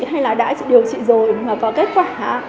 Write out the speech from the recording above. hay là đã điều trị rồi có kết quả